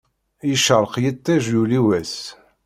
Yecreq yiṭij, yuli wass.